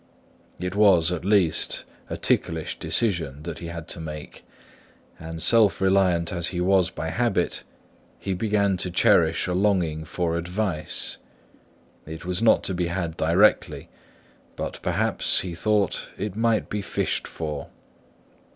It was, at least, a ticklish decision that he had to make; and self reliant as he was by habit, he began to cherish a longing for advice. It was not to be had directly; but perhaps, he thought, it might be fished for.